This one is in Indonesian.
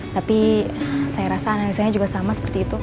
tapi saya rasa analisanya juga sama seperti itu